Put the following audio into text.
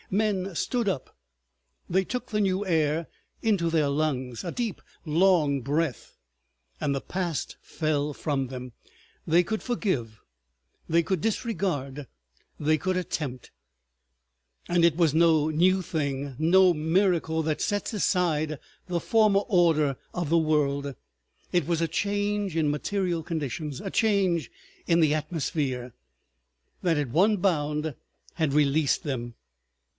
Men stood up; they took the new air into their lungs—a deep long breath, and the past fell from them; they could forgive, they could disregard, they could attempt. ... And it was no new thing, no miracle that sets aside the former order of the world. It was a change in material conditions, a change in the atmosphere, that at one bound had released them.